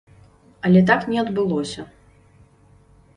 Але так не адбылося.